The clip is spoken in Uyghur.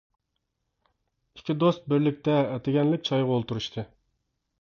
ئىككى دوست بىرلىكتە ئەتىگەنلىك چايغا ئولتۇرۇشتى.